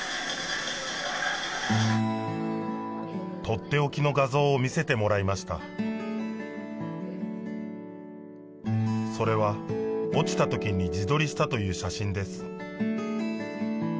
とっておきの画像を見せてもらいましたそれは落ちた時に自撮りしたという写真です